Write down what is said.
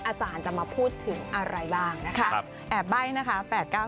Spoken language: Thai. อาจารย์จะมาพูดถึงอะไรบ้างนะคะแอบใบ้นะคะ